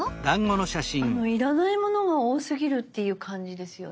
要らないものが多すぎるっていう感じですよね。